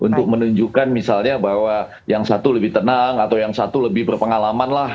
untuk menunjukkan misalnya bahwa yang satu lebih tenang atau yang satu lebih berpengalaman lah